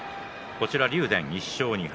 竜電、１勝２敗。